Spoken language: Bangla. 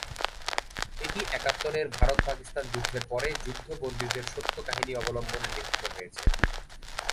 এটি একাত্তরের ভারত-পাকিস্তান যুদ্ধের পরে যুদ্ধবন্দীদের সত্য কাহিনী অবলম্বনে নির্মিত হয়েছে।